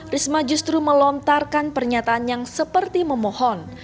risma justru melontarkan pernyataan yang seperti memohon